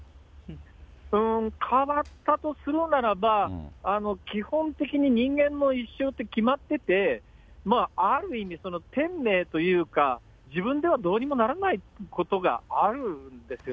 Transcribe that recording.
うーん、変わったとするならば、基本的に人間の一生って決まってて、ある意味、天命というか、自分ではどうにもならないことがあるんですよ。